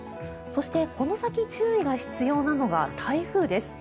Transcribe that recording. そして、この先注意が必要なのが台風です。